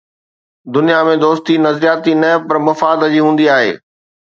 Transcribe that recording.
دنيا ۾ دوستي نظرياتي نه پر مفاد جي هوندي آهي.